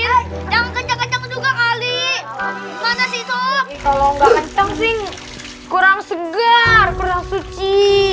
kalau gak kencang sih kurang segar kurang suci